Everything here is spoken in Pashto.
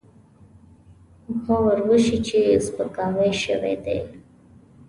غور وشي چې سپکاوی شوی دی.